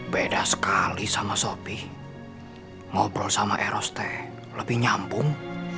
beda sekali sama sopi ngobrol sama eros t lebih nyambung